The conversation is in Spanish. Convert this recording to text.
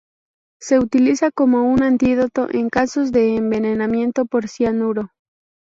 Se utiliza como un antídoto en casos de envenenamiento por cianuro.